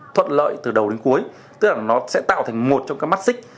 thuận lợi từ đầu đến cuối tức là nó sẽ tạo thành một trong các mắt xích